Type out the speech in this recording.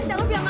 jawab ya mak pe